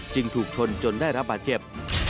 ถูกชนจนได้รับบาดเจ็บ